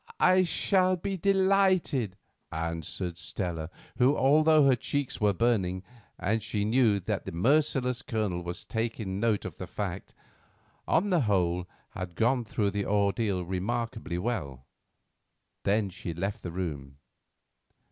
"I shall be delighted," answered Stella, who, although her cheeks were burning, and she knew that the merciless Colonel was taking note of the fact, on the whole had gone through the ordeal remarkably well. Then she left the room.